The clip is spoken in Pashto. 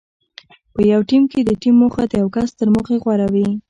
په یو ټیم کې د ټیم موخه د یو کس تر موخې غوره وي.